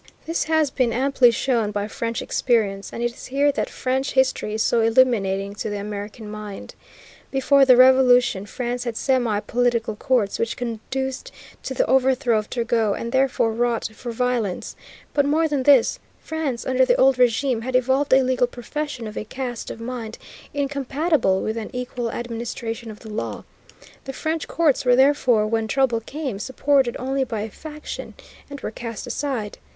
This has been amply shown by French experience, and it is here that French history is so illuminating to the American mind. Before the Revolution France had semi political courts which conduced to the overthrow of Turgot, and, therefore, wrought for violence; but more than this, France, under the old régime, had evolved a legal profession of a cast of mind incompatible with an equal administration of the law. The French courts were, therefore, when trouble came, supported only by a faction, and were cast aside.